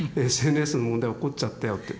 ＳＮＳの問題起こっちゃったよって。